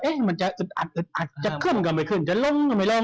เอ๊ะมันจะอึดอัดจะขึ้นกับไม่ขึ้นจะลงกับไม่ลง